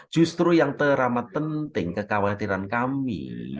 justru yang teramat penting kekhawatiran kami